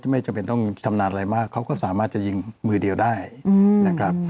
ไม่จำเป็นต้องชำนาญอะไรมากเขาก็สามารถจะยิงมือเดียวได้นะครับ